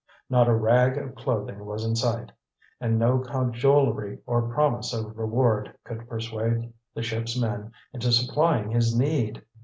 Not a rag of clothing was in sight, and no cajolery or promise of reward could persuade the ship's men into supplying his need.